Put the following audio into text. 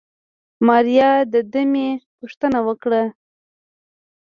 ماريا د دمې غوښتنه وکړه.